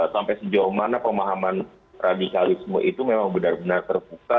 sampai sejauh mana pemahaman radikalisme itu memang benar benar terbuka